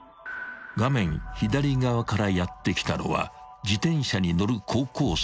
［画面左側からやって来たのは自転車に乗る高校生たち］